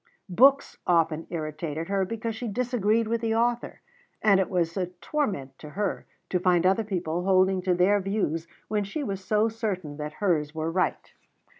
Books often irritated her because she disagreed with the author; and it was a torment to her to find other people holding to their views when she was so certain that hers were right.